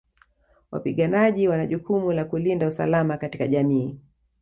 Wapiganaji wana jukumu la kulinda usalama katika jamii